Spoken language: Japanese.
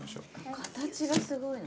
形がすごいな。